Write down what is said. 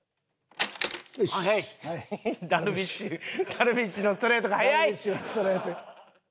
ダルビッシュのストレートが速い！